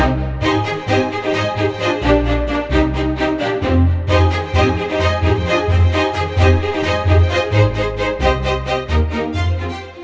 เอาตัวฟัง